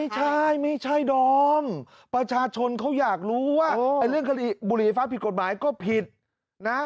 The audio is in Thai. ไม่ใช่ไม่ใช่ดอมประชาชนเขาอยากรู้ว่าเรื่องคดีบุหรี่ไฟฟ้าผิดกฎหมายก็ผิดนะ